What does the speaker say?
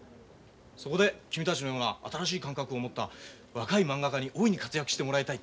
そこで君たちのような新しい感覚を持った若いまんが家に大いに活躍してもらいたい。